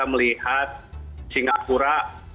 kita melihat singapura